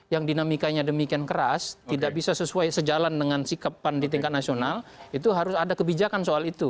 yang dinamikanya demikian keras tidak bisa sesuai sejalan dengan sikap pan di tingkat nasional itu harus ada kebijakan soal itu